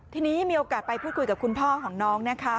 ทีนี้มีโอกาสไปพูดคุยกับคุณพ่อของน้องนะคะ